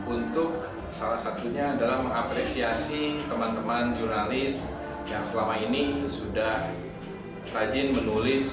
untuk salah satunya adalah mengapresiasi teman teman jurnalis yang selama ini sudah rajin menulis